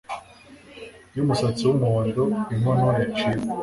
yumusatsi wumuhondo inkono yaciwe